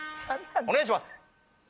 お願いします！